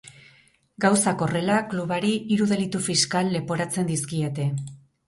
Gauzak horrela, klubari hiru delitu fiskal leporatzen dizkiete.